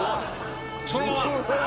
そのまま！